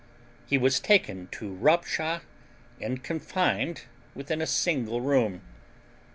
He was taken to Ropsha and confined within a single room.